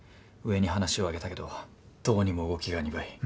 上に話を上げたけどどうにも動きが鈍い。